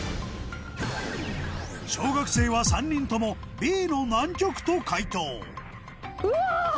小学生は３人ともＢの南極と解答うわ！